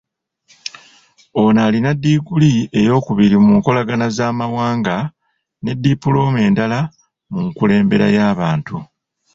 Ono alina ddiguli eyookubiri mu nkolagana z’amawanga ne ddipulooma endala mu nkulembera y’abantu.